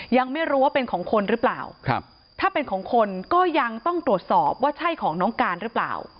ยังไม่รู้ว่าเป็นของคนหรือเปล่าถ้าเป็นของคนก็ยังต้องตรวจสอบว่าใช่ของน้องการหรือเปล่า